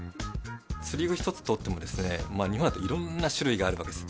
釣り具一つとっても、日本だといろんな種類があるわけです。